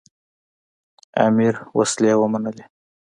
امیر وسلې ومنلې.